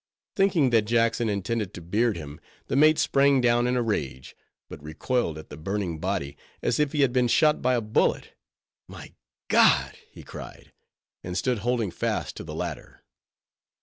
Thinking that Jackson intended to beard him, the mate sprang down in a rage; but recoiled at the burning body as if he had been shot by a bullet. "My God!" he cried, and stood holding fast to the ladder.